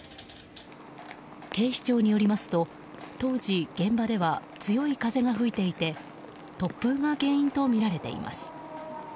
警視庁によりますと当時、現場では強い風が吹いていて突風が原因とみられています。